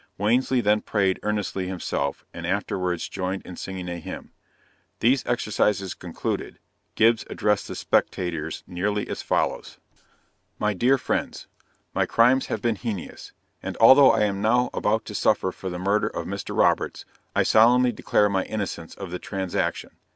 Wansley then prayed earnestly himself, and afterwards joined in singing a hymn. These exercises concluded, Gibbs addressed the spectators nearly as follows: MY DEAR FRIENDS, My crimes have been heinous and although I am now about to suffer for the murder of Mr. Roberts, I solemnly declare my innocence of the transaction.